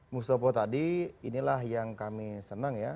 mustafa tadi inilah yang kami senang ya